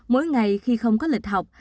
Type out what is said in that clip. mỗi ngày khi không có lịch học